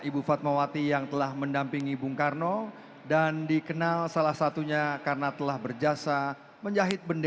bersambutan presiden republik indonesia bapak joko widodo